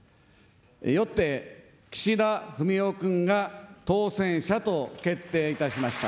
よって、岸田文雄君が当選者と決定いたしました。